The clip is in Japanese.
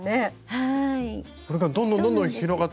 はい。